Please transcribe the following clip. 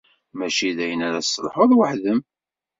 Mačči d ayen ara tesselḥuḍ weḥd-m.